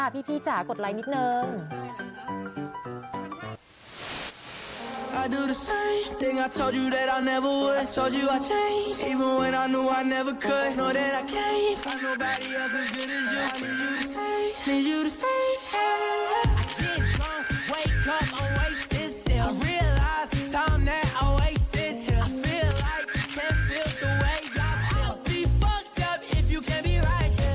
พี่จ๋ากดไลค์นิดนึง